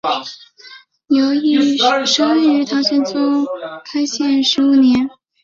刘怦生于唐玄宗开元十五年。